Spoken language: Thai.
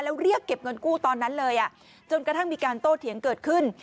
แล้วเรียกเก็บเงินกู้ตอนนั้นเลยจนกระทั่งมีการโต้เถียงเกิดขึ้น